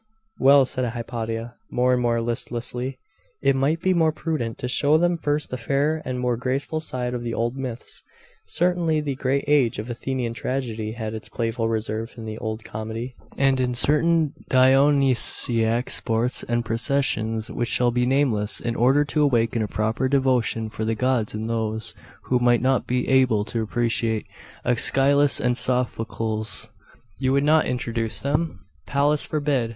'Well,' said Hypatia, more and more listlessly; 'it might be more prudent to show them first the fairer and more graceful side of the old Myths. Certainly the great age of Athenian tragedy had its playful reverse in the old comedy.' 'And in certain Dionysiac sports and processions which shall be nameless, in order to awaken a proper devotion for the gods in those who might not be able to appreciate Aeschylus and Sophocles.' 'You would not reintroduce them?' 'Pallas forbid!